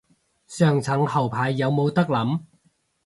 上層後排有冇得諗